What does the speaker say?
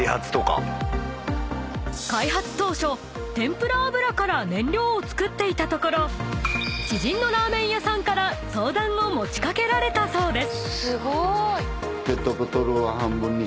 ［開発当初天ぷら油から燃料をつくっていたところ知人のラーメン屋さんから相談を持ち掛けられたそうです］